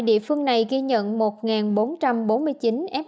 địa phương này ghi nhận một bốn trăm bốn mươi chín f